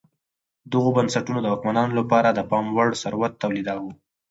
دغو بنسټونو د واکمنانو لپاره د پام وړ ثروت تولیداوه